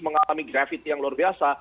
mengalami grafit yang luar biasa